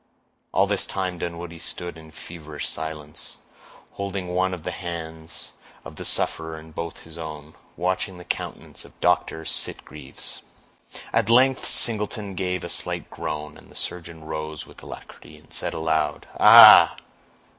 All this time Dunwoodie stood in feverish silence, holding one of the hands of the sufferer in both his own, watching the countenance of Doctor Sitgreaves. At length Singleton gave a slight groan, and the surgeon rose with alacrity, and said aloud,— "Ah!